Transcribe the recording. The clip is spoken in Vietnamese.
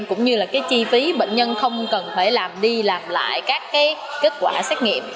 cũng như là cái chi phí bệnh nhân không cần phải làm đi làm lại các kết quả xét nghiệm